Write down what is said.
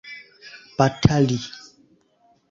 batali